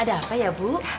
ada apa ya bu